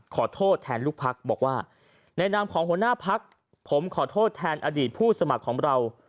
ขอโทษแทนลูกพักบอกว่าในนามของหัวหน้าพักผมขอโทษแทนอดีตผู้สมัครของเรา